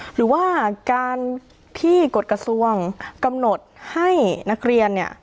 หรือว่าการที่กฎกระทรวงกำหนดให้นักเรียนเนี่ย